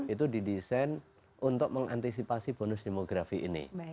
itu didesain untuk mengantisipasi bonus demografi ini